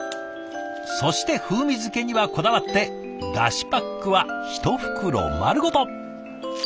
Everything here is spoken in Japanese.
そして風味付けにはこだわってだしパックは１袋丸ごと。